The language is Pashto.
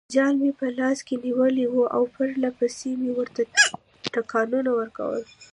جال مې په لاس کې نیولی وو او پرلپسې مې ورته ټکانونه ورکول.